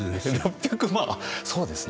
あっそうですね。